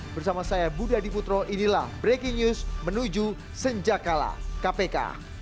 bersama saya budha diputro inilah breaking news menuju senjak kalah kpk